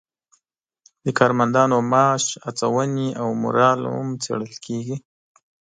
د کارمندانو معاش، هڅونې او مورال هم څیړل کیږي.